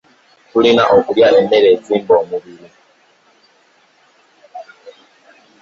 tulina okulya emmere ezimba omubiri.